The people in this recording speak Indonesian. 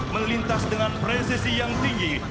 melintas dengan presesi yang tinggi